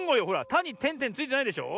「た」にてんてんついてないでしょ。